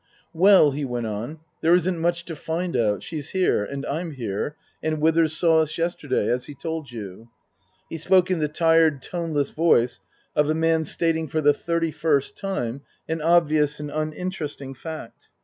Well," he went on ;" there isn't much to find out. She's here. And I'm here. And Withers saw us yesterday. As he told you." He spoke in the tired, toneless voice of a man stating for the thirty first time an obvious and uninteresting fact.